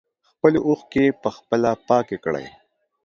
خپلې اوښکې په خپله پاکې کړئ.